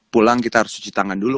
pulang kita harus cuci tangan dulu